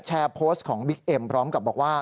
โพสต์ของบิ๊กเอ็มพร้อมกับบอกว่า